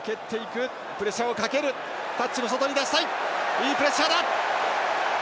いいプレッシャーだ！